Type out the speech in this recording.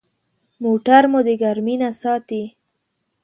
موټر مو د ګرمي نه ساتي.